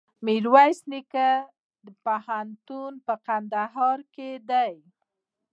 میرویس نیکه پوهنتون په کندهار کي دی.